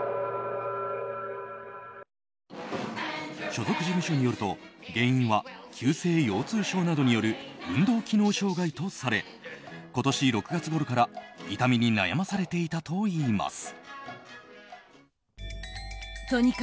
所属事務所によると原因は急性腰痛症などによる運動機能障害とされ今年６月ごろから痛みに悩まされていたといいます。